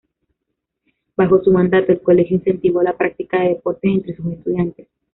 Bajo su mandato, el colegio incentivó la práctica de deportes entre sus estudiantes.